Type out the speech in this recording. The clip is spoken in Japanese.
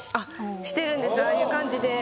ああいう感じで。